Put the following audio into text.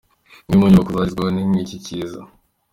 Imwe mu nyubako zagezweho n'iki kiza.